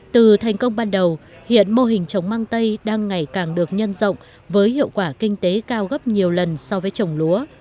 từ thành công ban đầu hiện mô hình trồng măng tây đang ngày càng được nhân rộng với hiệu quả kinh tế cao gấp nhiều lần so với trồng lúa